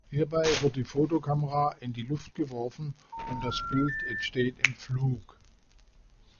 Hierbei wird die Fotokamera in die Luft geworfen und das Bild entsteht im Flug.